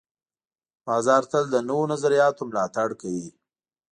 بازار تل د نوو نظریاتو ملاتړ کوي.